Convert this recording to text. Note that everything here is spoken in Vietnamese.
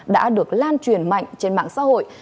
đã được lan truyền mạnh trên mạng xã hội